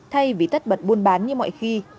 thay vì tắt bật buôn bán như mọi khi